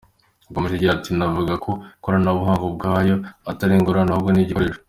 Yakomeje agira ati “Navuga ko ikoranabuhanga ubwaryo atari ingorane, ahubwo ni igikoresho.